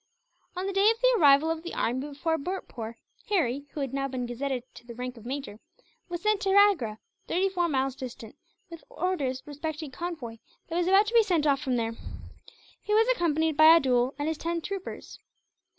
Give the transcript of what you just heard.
On the day of the arrival of the army before Bhurtpoor, Harry who had now been gazetted to the rank of major was sent to Agra, thirty four miles distant, with orders respecting a convoy that was about to be sent off from there. He was accompanied by Abdool and ten troopers.